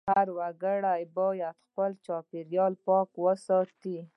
هر وګړی باید خپل چاپېریال پاک وساتي.